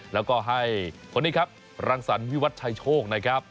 แล้วก็ให้คนนี้ครับรังสรรวิวัตชัยโชคนะครับ